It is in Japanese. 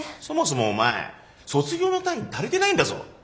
そもそもお前卒業の単位足りてないんだぞ。